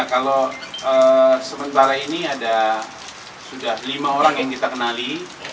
kalau sementara ini ada sudah lima orang yang kita kenali